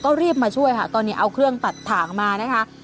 ก็รีบมาช่วยค่ะตอนนี้เอาเครื่องตัดถ่างมานะคะ